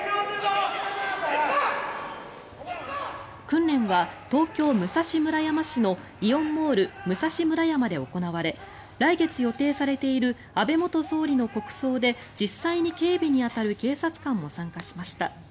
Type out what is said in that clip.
訓練は東京・武蔵村山市のイオンモールむさし村山で行われ来月予定されている安倍元総理の国葬で実際に警備に当たる警察官も参加しました。